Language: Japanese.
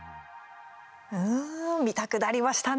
見たくなりましたね。